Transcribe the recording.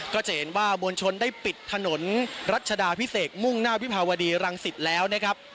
ก็จะเห็นว่ามวลชนได้ปิดถนนรัชดาพิเศษมุ่งหน้าวิภาวดีรังสิตแล้วนะครับ